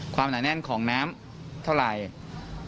หนาแน่นของน้ำเท่าไหร่